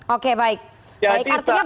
oke baik artinya belum ada